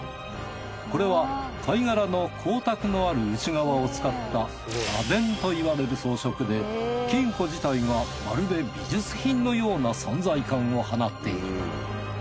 これは貝殻の光沢のある内側を使った螺鈿といわれる装飾で金庫自体がまるで美術品のような存在感を放っている。